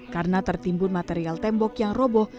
karena tertimbun material tembok yang roboh